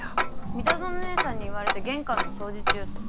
三田園姐さんに言われて玄関の掃除中っす。